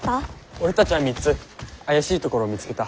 俺たちは３つ怪しい所見つけた。